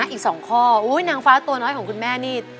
อีก๒ข้อนางฟ้าตัวน้อยของคุณแม่นี่